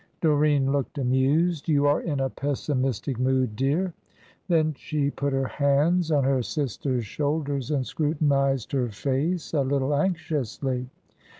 Doreen looked amused. "You are in a pessimistic mood, dear." Then she put her hands on her sister's shoulders and scrutinised her face a little anxiously.